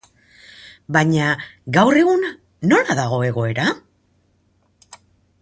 Baina gaur egun nola dago egoera?